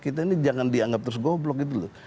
kita ini jangan dianggap terus goblok gitu loh